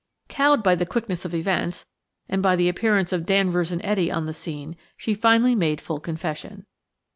Cowed by the quickness of events, and by the appearance of Danvers and Etty on the scene, she finally made full confession.